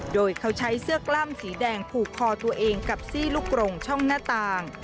โดยเขาใช้เสื้อกล้ามสีแดงผูกคอตัวเองกับซี่ลูกกรงช่องหน้าต่าง